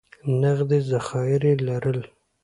نغدي ذخایر یې لرل.